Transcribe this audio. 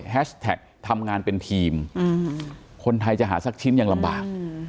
แท็กทำงานเป็นทีมคนไทยจะหาสักชิ้นยังลำบาก